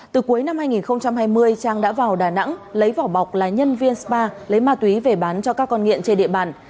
từ cuối năm hai nghìn hai mươi trang đã vào đà nẵng lấy vỏ bọc là nhân viên spa lấy ma túy về bán cho các con nghiện trên địa bàn